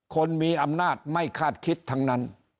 คนมีอำนาจไม่คาดคิดทั้งนั้น